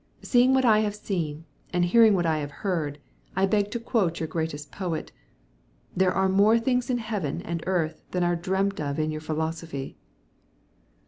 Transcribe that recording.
Seeing what I have seen, and hearing what I have heard, I beg to quote your greatest poet 'There are more things in heaven and earth than are dreamt of in your philosophy.'"